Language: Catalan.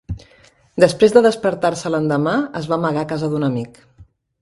Després de despertar-se l'endemà, es va amagar a casa d'un amic.